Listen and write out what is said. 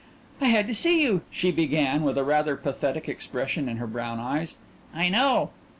"I had to see you," she began, with a rather pathetic expression in her brown eyes. "I know."